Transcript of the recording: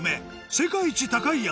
世界一高い山